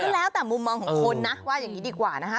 แล้วแต่มุมมองของคนนะว่าอย่างนี้ดีกว่านะคะ